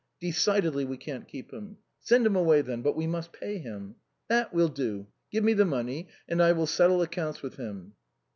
" Decidedly we can't keep him." " Send him away then ! But we must pay him." " That we'll do. Give me the money, and I will settle accounts with him."